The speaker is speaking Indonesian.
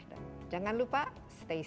dan jangan lupa stay tuned